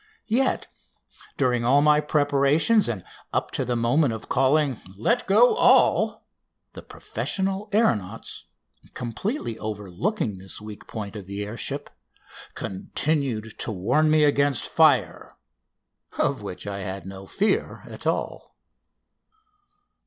Yet during all my preparations, and up to the moment of calling: "Let go all!" the professional aeronauts, completely overlooking this weak point of the air ship, continued to warn me against fire, of which I had no fear at all!